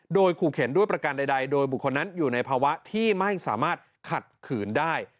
โดยขู่เข็นด้วยประการใดโดยบุคคลนั้นอยู่ในภาวะที่ไม่สามารถขัดขืนได้